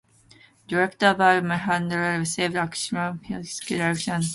Director Balu Mahendra received acclaim for his direction and screenplay skills.